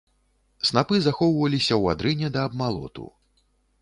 Снапы захоўваліся ў адрыне да абмалоту.